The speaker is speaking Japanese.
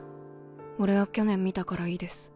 俺は去年見たからいいです。